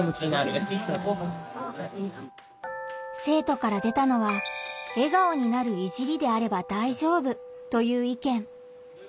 生徒から出たのは「笑顔になる“いじり”であれば大丈夫」という意見。